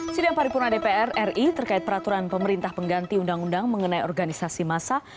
sidang paripurna dpr ri terkait peraturan pemerintah pengganti undang undang mengenai organisasi massa